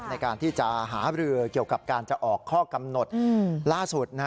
ในการที่จะหาบรือเกี่ยวกับการจะออกข้อกำหนดล่าสุด